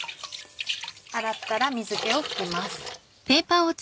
洗ったら水気を拭きます。